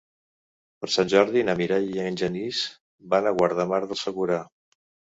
Per Sant Jordi na Mireia i en Genís van a Guardamar del Segura.